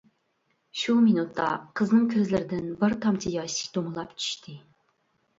شۇ مىنۇتتا قىزنىڭ كۆزلىرىدىن بىر تامچە ياش دومىلاپ چۈشتى.